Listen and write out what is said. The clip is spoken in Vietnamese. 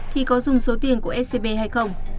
thì có dùng số tiền của scb hay không